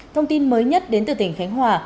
thông tin mới nhất đến từ tỉnh khánh hòa